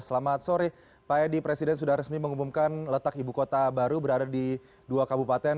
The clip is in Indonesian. selamat sore pak edi presiden sudah resmi mengumumkan letak ibu kota baru berada di dua kabupaten